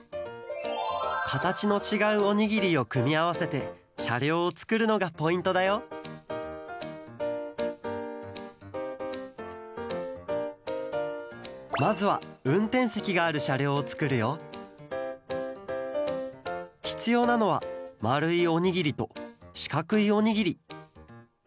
かたちのちがうおにぎりをくみあわせてしゃりょうをつくるのがポイントだよまずはうんてんせきがあるしゃりょうをつくるよひつようなのはまるいおにぎりとしかくいおにぎり。